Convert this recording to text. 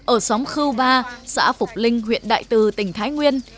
ở xóm khư ba xã phục linh huyện đại từ tỉnh thái nguyên